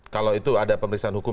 kalau itu ada pemeriksaan hukum